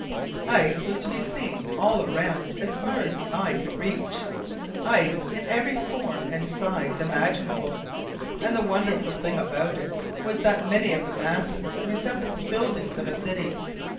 Ice was to be seen all round as far as the eye could reach. Ice in every form and size imaginable. And the wonderful thing about it was that many of the masses resembled the buildings of a city.